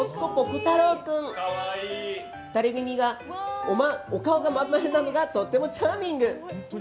タレ耳で、顔が真ん丸なのがとってもチャーミング。